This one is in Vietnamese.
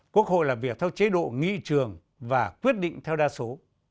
quốc hội làm việc theo chế độ nghị trường và quyết định theo đa số